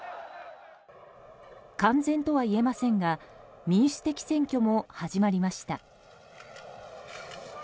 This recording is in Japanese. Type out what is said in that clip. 完全とは言えませんが民主的選挙も始まりました。